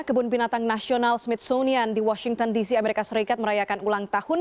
kebun binatang nasional smitsonian di washington dc amerika serikat merayakan ulang tahun